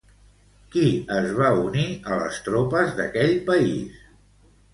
Qui es va unir a les tropes d'aquell país?